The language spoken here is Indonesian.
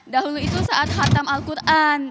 dahulu itu saat hatam al quran